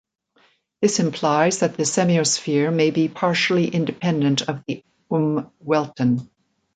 This implies that the semiosphere may be partially independent of the Umwelten.